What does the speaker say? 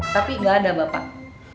tapi ga ada bapak